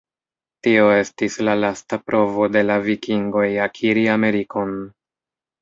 Tio estis la lasta provo de la vikingoj akiri Amerikon.